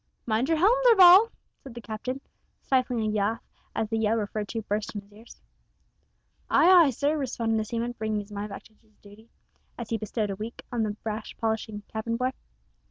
"Mind your helm, Darvall," said the Captain, stifling a laugh as the yell referred to burst on his ears. "Ay, ay, sir," responded the seaman, bringing his mind back to his duty, as he bestowed a wink on the brass polishing cabin boy.